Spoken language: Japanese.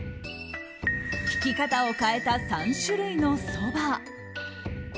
挽き方を変えた３種類のそば。